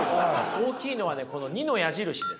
大きいのはねこの２の矢印です。